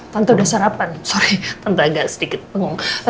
tante udah sarapan sorry tante agak sedikit pengel